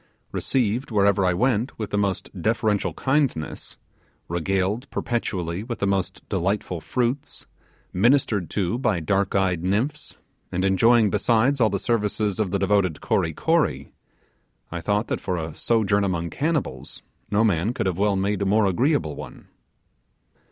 Received wherever I went with the most deferential kindness; regaled perpetually with the most delightful fruits; ministered to by dark eyed nymphs, and enjoying besides all the services of the devoted Kory Kory, I thought that, for a sojourn among cannibals, no man could have well made a more agreeable one.